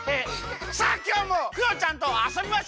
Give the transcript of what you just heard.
さあきょうもクヨちゃんとあそびましょう！